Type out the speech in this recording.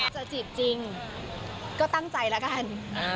จีบจริงก็ตั้งใจแล้วกัน